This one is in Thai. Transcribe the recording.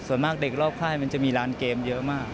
ส่วนมากเด็กรอบค่ายมันจะมีร้านเกมเยอะมาก